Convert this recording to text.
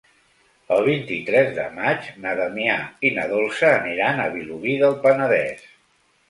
El vint-i-tres de maig na Damià i na Dolça aniran a Vilobí del Penedès.